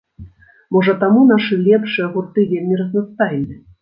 Можа таму нашы лепшыя гурты вельмі разнастайныя.